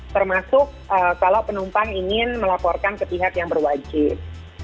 termasuk kalau penumpang ingin melaporkan ke pihak yang berwajib